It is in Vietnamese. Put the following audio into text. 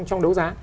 trong đấu giá